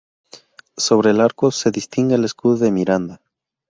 Sobre el arco se distingue el escudo de Miranda.